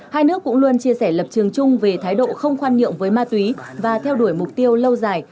hai nước cũng luôn chia sẻ lập trường chung về thái độ không khoan nhượng với ma túy và theo đuổi mục tiêu lâu dài